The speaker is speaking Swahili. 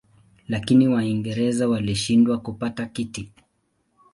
Lakini Waingereza walishindwa kupata kiti.